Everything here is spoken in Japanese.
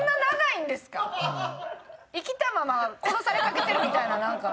生きたまま殺されかけてるみたいななんか。